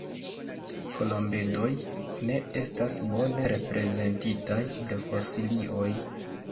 Kolombedoj ne estas bone reprezentitaj de fosilioj.